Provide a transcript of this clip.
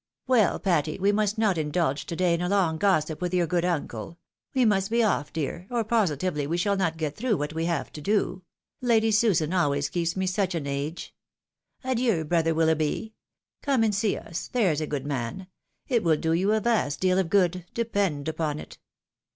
" Well, Patty, we must not indulge to day in a long gossip with your good uncle ; we must be off, dear, or positively we shall not get through what we have to do ; Lady Susan always keeps me such an age ! Adieu ! brother Willoughby ! Come and see us, there's a good man — ^it wiU do you a vast deal of good, depend upon it.